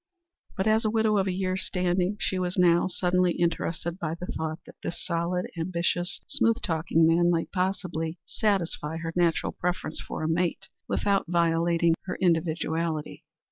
But as a widow of a year's standing she was now suddenly interested by the thought that this solid, ambitious, smooth talking man might possibly satisfy her natural preference for a mate without violating her individuality.